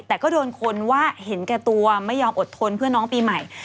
แต่ก็โดนคนว่าเห็นแก่ตัวไม่ยอมอดทนเพื่อน้องปีใหม่